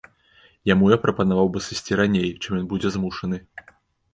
Яму я прапанаваў бы сысці раней, чым ён будзе змушаны.